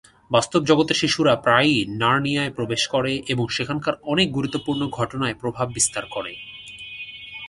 বাস্তব জগতের শিশুরা প্রায়ই নার্নিয়ায় প্রবেশ করে এবং সেখানকার অনেক গুরুত্বপূর্ণ ঘটনায় প্রভাব বিস্তার করে।